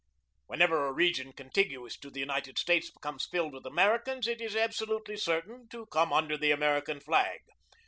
Whenever a region contiguous to the United States becomes filled with Americans, it is absolutely certain to come under the American flag.